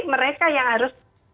mereka yang harus